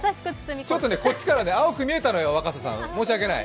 ちょっとこっちから青く見えたのよ、若狭さん、申し訳ない。